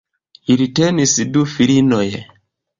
Ili tenis du filinoj.